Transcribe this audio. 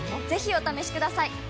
ぜひお試しください！